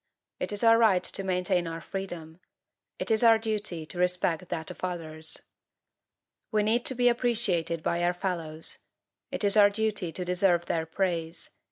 It is our right to maintain our freedom. It is our duty to respect that of others. We need to be appreciated by our fellows. It is our duty to deserve their praise.